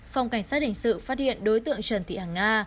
phòng cảnh sát đình sự phát hiện đối tượng trần tị hàng nga